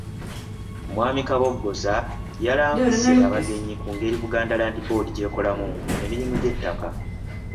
Mwami Kabogoza yalambise abagenyi ku ngeri Buganda Land Board gy’ekolamu emirimu gy’ettaka.